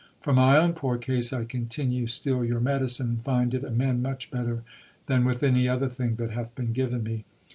For my own poor case I continue still your medicine, and find it amend much better than with any other thing that hath been given me.